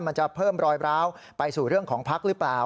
มันจะเพิ่มรอยร้าวไปสู่เรื่องของพักหรือเปล่า